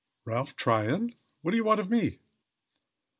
"Ralph Tryon! What do you want of me?"